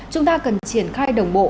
chúng ta cần triển khai đồng bộ